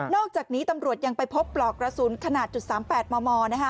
อกจากนี้ตำรวจยังไปพบปลอกกระสุนขนาด๓๘มม